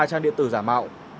trang điện tử giả mạo